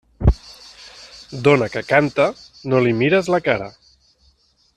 Dona que canta, no li mires la cara.